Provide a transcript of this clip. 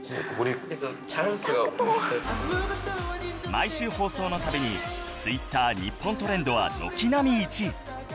毎週放送のたびに Ｔｗｉｔｔｅｒ 日本トレンドは軒並み１位